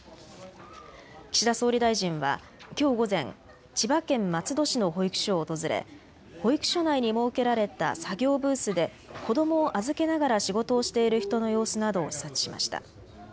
岸田総理大臣はきょう午前、千葉県松戸市の保育所を訪れ保育所内に設けられた作業ブースで子どもを預けながら仕事をしている人の様子などを視察しました。